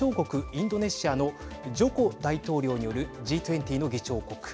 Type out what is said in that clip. インドネシアのジョコ大統領によるＧ２０の議長国